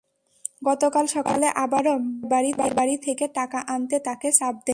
গতকাল সকালে আবারও বাবার বাড়ি থেকে টাকা আনতে তাঁকে চাপ দেন।